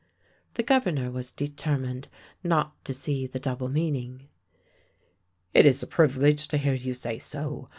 The Governor was determined not to see the double meaning. " It is a privilege to hear you say so.